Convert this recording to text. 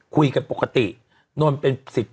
คุยกันปกติน้นเป็นศิษย์